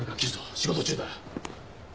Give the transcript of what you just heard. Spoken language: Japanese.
仕事中だ。